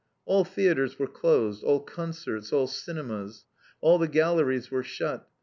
All theatres were closed, all concerts, all cinemas. All the galleries were shut.